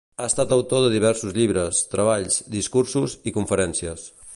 Ha estat autor de diversos llibres, treballs, discursos i conferències.